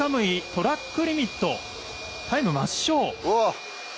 トラックリミットタイム抹消。